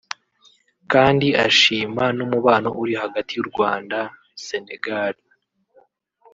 kandi ashima n’umubano uri hagati y’u Rwanda Senegal